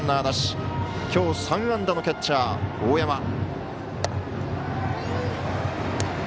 きょう３安打のキャッチャー、大山。